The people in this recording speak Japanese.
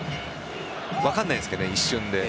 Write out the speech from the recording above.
分かんないですけどね一瞬で。